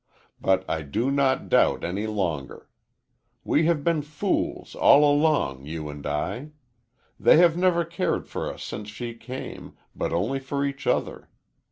But I do not doubt any longer. We have been fools all along, you and I. They have never cared for us since she came, but only for each other.